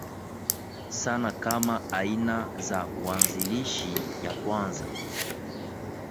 sana Kama aina za waanzilishi ya kwanza